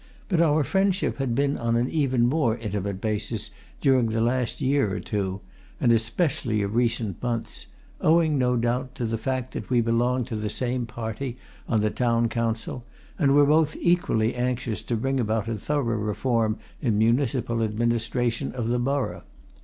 But our friendship had been on an even more intimate basis during the last year or two, and especially of recent months, owing, no doubt, to the fact that we belonged to the same party on the Town Council, and were both equally anxious to bring about a thorough reform in the municipal administration of the borough.